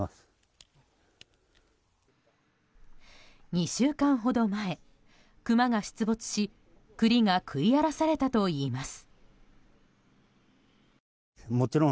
２週間ほど前、クマが出没し栗が食い荒らされたといいます。